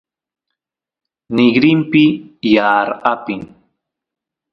nigrinpi yaar apin